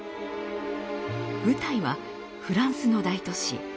舞台はフランスの大都市